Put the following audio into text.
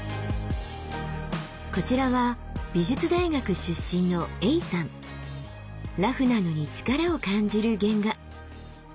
こちらは美術大学出身のラフなのに力を感じる原画。